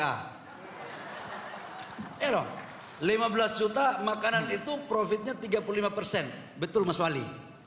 eh dong lima belas juta makanan itu profitnya tiga puluh lima persen betul mas wali